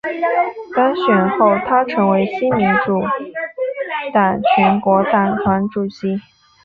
当选后她成为新民主党全国党团主席。